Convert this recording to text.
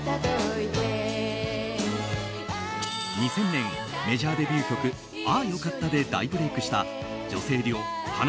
２０００年、メジャーデビュー曲「あよかった」で大ブレークした女性デュオ花